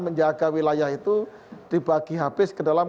menjaga wilayah itu dibagi habis ke dalam